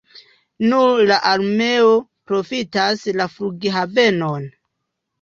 Nur la armeo profitas la flughavenon.